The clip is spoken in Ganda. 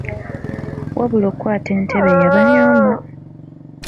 Wabula Okwata entebe y'abanyooma!